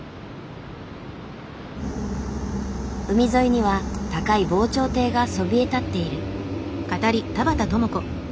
海沿いには高い防潮堤がそびえ立っている。